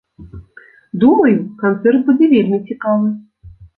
Думаю, канцэрт будзе вельмі цікавы.